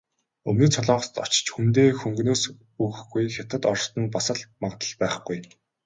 Өмнөд Солонгост очиж хүндээ хөнгөнөөс өгөхгүй, Хятад, Орост нь бас л магадлал байхгүй.